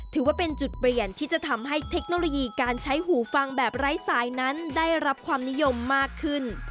ถือว่าเป็นจุดเปลี่ยนที่จะทำให้เทคโนโลยีการใช้หูฟังแบบไร้สายนั้นได้รับความนิยมมากขึ้น